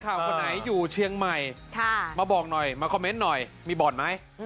คนไหนอยู่เชียงใหม่มาบอกหน่อยมาคอมเมนต์หน่อยมีบ่อนไหม